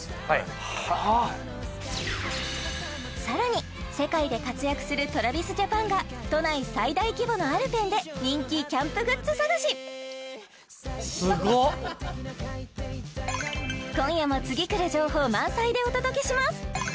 さらに世界で活躍するＴｒａｖｉｓＪａｐａｎが都内最大規模のＡｌｐｅｎで人気キャンプグッズ探し今夜も次くる情報満載でお届けします